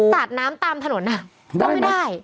สาดน้ำตามถนนก็ไม่ได้